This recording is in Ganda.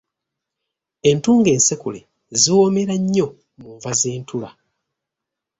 Entungo ensekule ziwoomera nnyo mu nva z’entula.